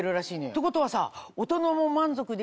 ってことはさぁ。